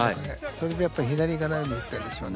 それでやっぱり左行かないように打ったんでしょうね。